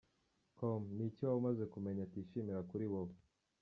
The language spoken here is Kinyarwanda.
com: Ni iki waba umaze kumenya atishimira kuri wowe?.